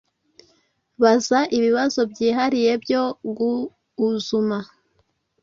Baza ibibazo byihariye byo guuzuma